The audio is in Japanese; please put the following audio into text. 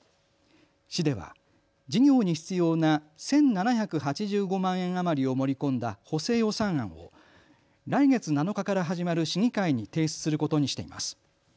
市では事業に必要な１７８５万円余りを盛り込んだ補正予算案を来月７日から始まる市議会に提出することにしています。